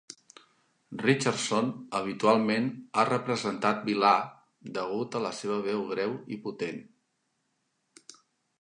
Richardson habitualment ha representat vilà degut a la seva veu greu i potent.